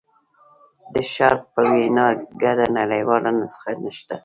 د شارپ په وینا ګډه نړیواله نسخه نشته.